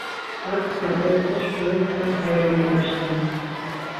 Хатта ул ҡош булып та һайрамай башланы.